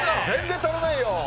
全然足らないよ。